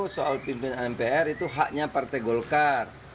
soal pimpinan mpr itu haknya partai golkar